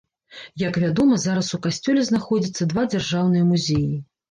Як вядома, зараз у касцёле знаходзяцца два дзяржаўныя музеі.